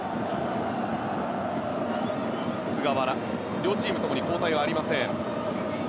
両チーム共に交代はありません。